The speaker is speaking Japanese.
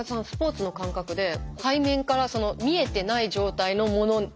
スポーツの感覚で背面から見えてない状態のもの